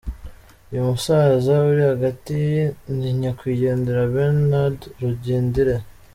Uyu musaza uri hagati ni Nyakwigendera Bernard Rugindiri.